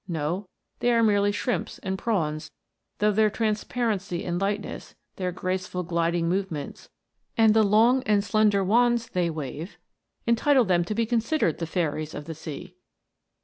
No, they are merely shrimps and prawns, though their transparency and lightness, their graceful gliding movements, and the long and slender wands they wave, entitle them to be consi dered the fairies of the sea.